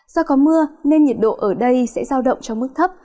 do có mưa nên nhiệt độ ở đây sẽ giao động trong mức thấp